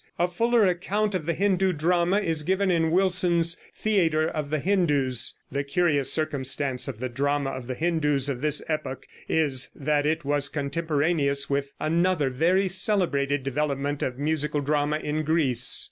A fuller account of the Hindoo drama is given in Wilson's "Theater of the Hindoos." The curious circumstance of the drama of the Hindoos of this epoch is that it was contemporaneous with another very celebrated development of musical drama in Greece.